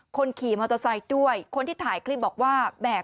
คนขี่มอเตอร์ไซค์ด้วยคนที่ถ่ายคลิปบอกว่าแหม